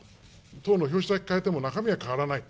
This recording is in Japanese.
党の表紙だけ変えても中身は変わらない。